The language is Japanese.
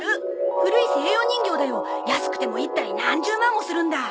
古い西洋人形だよ。安くても１体何十万もするんだ。